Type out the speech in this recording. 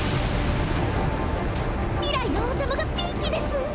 未来の王様がピンチです！